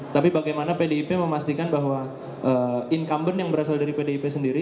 tapi bagaimana pdip memastikan bahwa incumbent yang berasal dari pdip sendiri